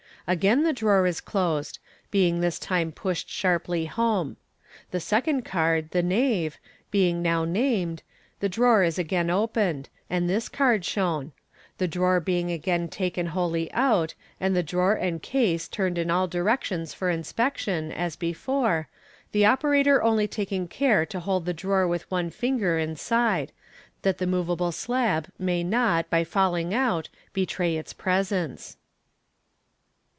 Again the drawer is closed, being this time pushed sharply home. The second card, the knave, being now named, the drawer is again opened, and this card shown j the drawer being again taken wholly out, and the drawer and case turned in all directions foi inspection, as before, the operator only taking care to hold the drawer with one finger inside, that the moveable slab may not, by falling out, betray its presence.